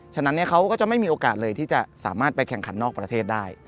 ฉะนั้นเขาก็จะไม่มีโอกาสเลยที่จะสามารถไปแข่งขันนอกประเทศได้